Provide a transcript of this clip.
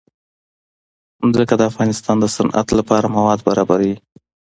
ځمکه د افغانستان د صنعت لپاره مواد برابروي.